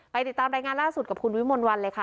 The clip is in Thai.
ติดตามรายงานล่าสุดกับคุณวิมลวันเลยค่ะ